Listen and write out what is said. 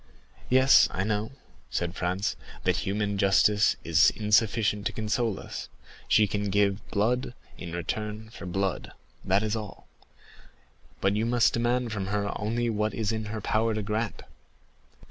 "Yes, I know," said Franz, "that human justice is insufficient to console us; she can give blood in return for blood, that is all; but you must demand from her only what it is in her power to grant."